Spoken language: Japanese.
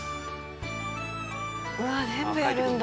うわあ全部やるんだ。